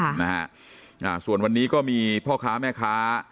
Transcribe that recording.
ค่ะนะฮะอ่าส่วนวันนี้ก็มีพ่อค้าแม่ค้า